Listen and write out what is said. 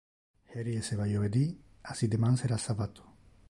Heri esseva jovedi, assi deman sera sabbato.